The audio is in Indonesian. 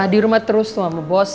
dirumah terus tuh sama bos